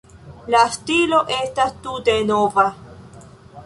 La stilo estas tute nova.